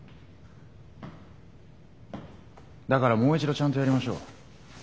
だからもう一度ちゃんとやりましょう。